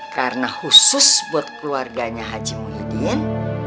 karena khusus buat keluarganya haji muhyiddin